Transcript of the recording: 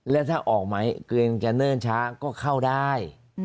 แล้วถ้าออกหมายเกินกันเนิ่นช้าก็เข้าได้